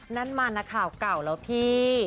นั้นมาในข่าวก่าวแล้วพี่